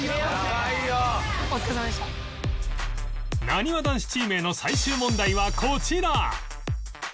なにわ男子チームへの最終問題はこちら